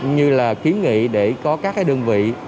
như là kiến nghị để có các đơn vị